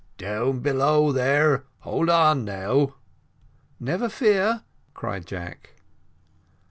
"Down below there, hold on now." "Never fear," cried Jack.